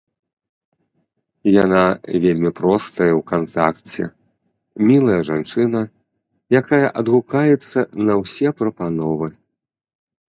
Яна вельмі простая ў кантакце, мілая жанчына, якая адгукаецца на ўсе прапановы.